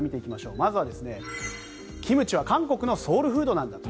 まずはキムチは韓国のソウルフードなんだと。